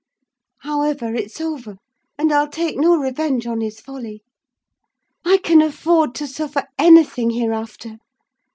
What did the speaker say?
However, it's over, and I'll take no revenge on his folly; I can afford to suffer anything hereafter!